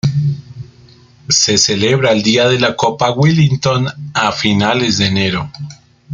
Se celebra el día de la Copa Wellington a finales de enero.